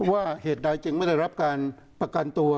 ว่าเหตุใดจึงไม่ได้รับการประกันตัว